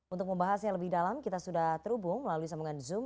untuk membahasnya lebih dalam kita sudah terhubung melalui sambungan zoom